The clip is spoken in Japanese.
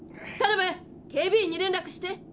タナベ警備員に連絡して。